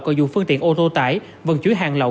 có dùng phương tiện ô tô tải vận chuyển hàng lậu